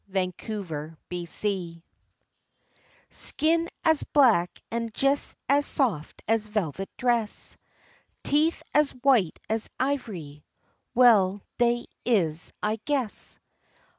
DAT GAL O' MINE Skin as black an' jes as sof' as a velvet dress, Teeth as white as ivory well dey is I guess.